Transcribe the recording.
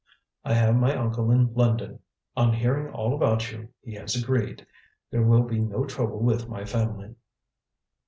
"I have my uncle in London. On hearing all about you, he has agreed. There will be no trouble with my family."